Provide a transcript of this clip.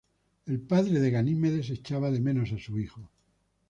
El padre de Ganimedes echaba de menos a su hijo.